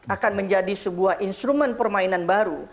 akan menjadi sebuah instrumen permainan baru